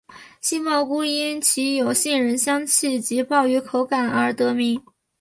杏鲍菇因其有杏仁香气及鲍鱼口感而得名。